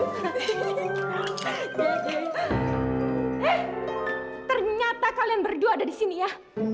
hei ternyata kalian berdua ada di sini ya